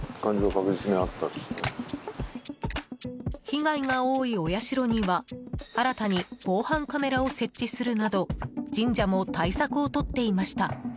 被害が多い、お社には新たに防犯カメラを設置するなど神社も対策を取っていました。